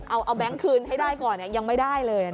เอาแบงค์คืนให้ได้ก่อนยังไม่ได้เลย